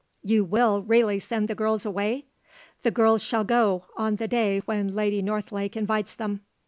"You will really send the girls away?" "The girls shall go, on the day when Lady Northlake invites them."